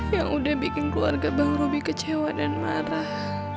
yang udah bikin keluarga bang roby kecewa dan marah